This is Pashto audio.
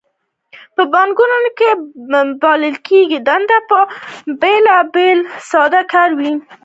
د بانکونو د مالکانو دنده په پیل کې ساده وه